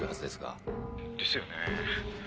「ですよね」